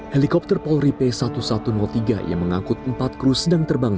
helikopter polri p seribu satu ratus tiga yang mengangkut empat kru sedang terbang